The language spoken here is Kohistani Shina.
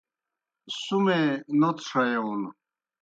سُمے نوتھوْ ݜیون